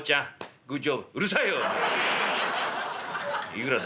いくらだ？